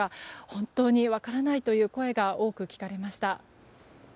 本当に分からないという声が多く聞かれました。